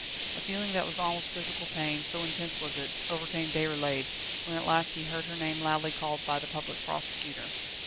A feeling that was almost physical pain, so intense was it, overcame Déroulède, when at last he heard her name loudly called by the Public Prosecutor.